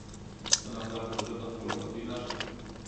نن همدا پروژه د خپلواکۍ نښه ده.